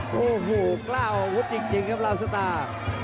โยโหคล่าโอชิกจริงนะลาวสตา